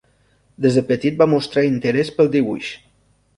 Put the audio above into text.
Des de petit va mostrar interès pel dibuix.